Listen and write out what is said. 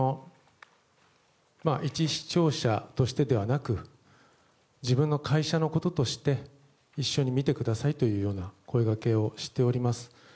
一視聴者としてだけではなく自分の会社のこととして一緒に見てくださいというような声掛けをしております。